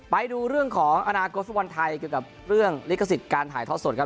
ไปดูเรื่องของอนาคตฟุตบอลไทยเกี่ยวกับเรื่องลิขสิทธิ์การถ่ายทอดสดครับ